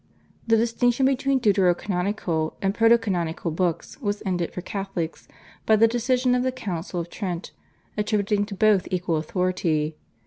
The distinction between deutero canonical and proto canonical books was ended for Catholics by the decision of the Council of Trent attributing to both equal authority.